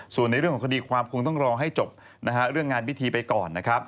ส่วนในเรื่องของคดีความคงต้องรอให้จบเรื่องงานพิธีไปก่อนนะครับ